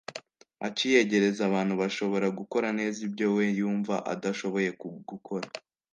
akiyegereza abantu bashobora gukora neza ibyo we yumva adashoboye gukora